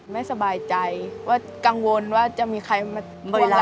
ไม่สบายใจว่ากังวลว่าจะมีใครมาตัวเราเมื่อไหร่